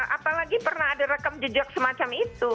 apalagi pernah ada rekam jejak semacam itu